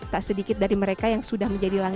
tak sedikit dari mereka yang sudah menjadi